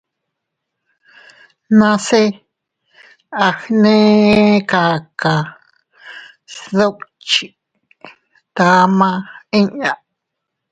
Nase agnekaka sdukchi tama inña.